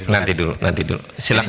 nanti dulu nanti dulu